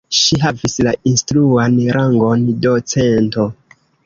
Ŝi havis la instruan rangon docento.